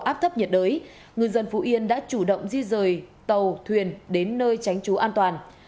trong đợt áp thấp nhiệt đới người dân phú yên đã chủ động di rời tàu thuyền đến nơi tránh trú an toàn